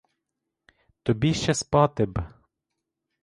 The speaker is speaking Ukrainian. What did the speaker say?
Тобі ще спати б!